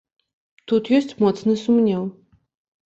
Тут ёсць моцны сумнеў.